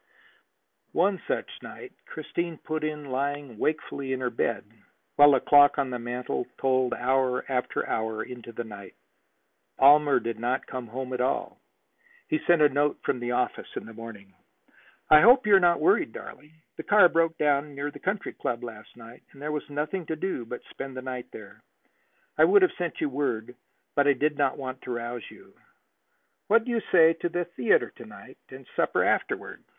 One such night Christine put in, lying wakefully in her bed, while the clock on the mantel tolled hour after hour into the night. Palmer did not come home at all. He sent a note from the office in the morning: "I hope you are not worried, darling. The car broke down near the Country Club last night, and there was nothing to do but to spend the night there. I would have sent you word, but I did not want to rouse you. What do you say to the theater to night and supper afterward?"